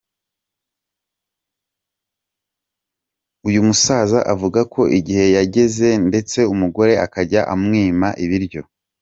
Uyu musaza avuga ko igihe cyageze ndetse umugore akajya amwima ibiryo.